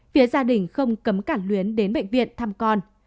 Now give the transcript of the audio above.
phía gia đình không cấm cảng luyến đến bệnh viện thăm con